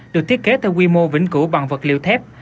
được thiết kế theo quy mô vĩnh cửu bằng vật liệu thép